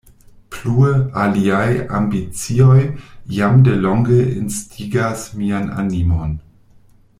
Plue, aliaj ambicioj jam de longe instigas mian animon.